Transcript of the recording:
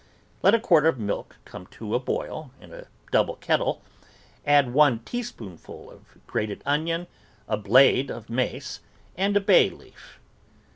Let a quart of milk come to a boil in a double ket tle, add one teaspoonful of grated onion, a blade of mace, and a bay leaf.